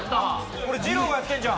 これジローがやってんじゃん！